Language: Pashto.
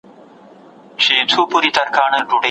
نیک نوم ګټل ګران دي.